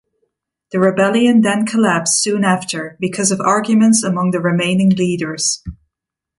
The rebellion then collapsed soon after because of arguments among the remaining leaders.